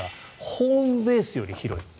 ホームベースより広い。